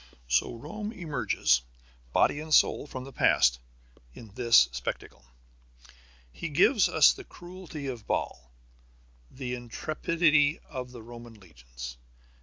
So Rome emerges body and soul from the past, in this spectacle. He gives us the cruelty of Baal, the intrepidity of the Roman legions.